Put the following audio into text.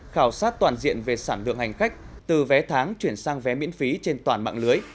khảo sát toàn diện về sản lượng hành khách từ vé tháng chuyển sang vé miễn phí trên toàn mạng lưới